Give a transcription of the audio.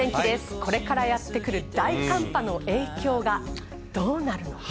これからやってくる大寒波の影響がどうなるのか。